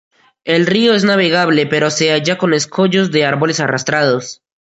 El río es navegable pero se halla con escollos de árboles arrastrados.